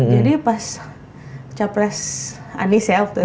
jadi pas capres anis ya waktu itu